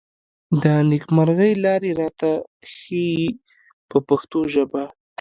د نېکمرغۍ لارې راته ښيي په پښتو ژبه.